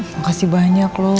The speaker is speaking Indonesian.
makasih banyak loh